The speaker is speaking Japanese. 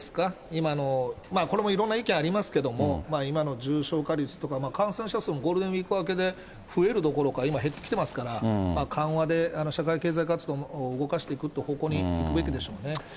今の、これもいろんな意見ありますけれども、今の重症化率とか、感染者数もゴールデンウィーク明けで増えるどころか、今、減ってきていますから、緩和で、社会経済活動を動かしていくという方向にいくべきでしょうね。